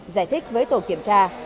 giải thích với tổ kiểm tra